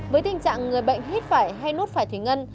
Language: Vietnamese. với tình trạng người bệnh hít phải hay nút phải thủy ngân